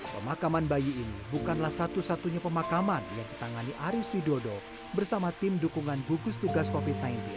pemakaman bayi ini bukanlah satu satunya pemakaman yang ditangani aris widodo bersama tim dukungan gugus tugas covid sembilan belas